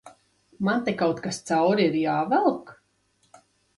Man te kaut kas cauri ir jāvelk?